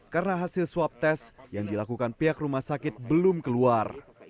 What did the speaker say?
karena hasil swab tes yang dilakukan pihak rumah sakit belum keluar